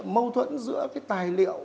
mâu thuẫn giữa cái tài liệu